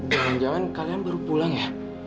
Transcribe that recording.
jangan jangan kalian baru pulang ya